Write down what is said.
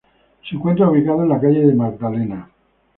Se encuentra ubicado en la calle de la Magdalena.